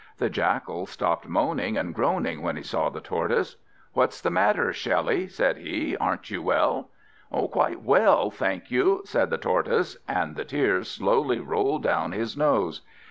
The Jackal stopped moaning and groaning when he saw the Tortoise. "What's the matter, Shelly?" said he. "Aren't you well?" "Quite well, thank you," said the Tortoise, and the tears slowly rolled down his nose.